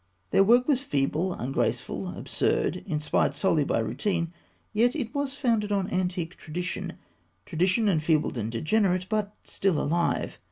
Their work was feeble, ungraceful, absurd, inspired solely by routine; yet it was founded on antique tradition tradition enfeebled and degenerate, but still alive.